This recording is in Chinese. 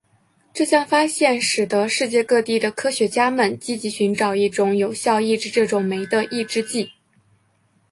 这项发现使得世界各地的科学家们积极寻找一种有效抑制这种酶的抑制剂。